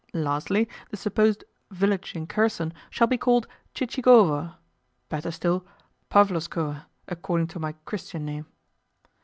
Lastly, the supposed village in Kherson shall be called Chichikovoe better still Pavlovskoe, according to my Christian name."